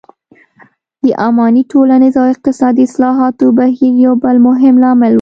د اماني ټولنیز او اقتصادي اصلاحاتو بهیر یو بل مهم لامل و.